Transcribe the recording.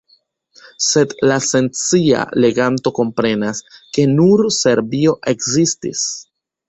Sed la senscia leganto komprenas, ke nur Serbio ekzistis.